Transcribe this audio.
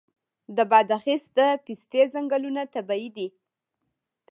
د بادغیس د پستې ځنګلونه طبیعي دي.